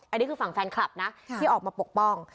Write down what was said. อันนี้คือฝั่งแฟนคลับนะที่ออกมาปกป้อง